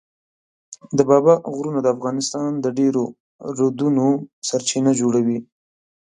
د بابا غرونه د افغانستان د ډېرو رودونو سرچینه جوړوي.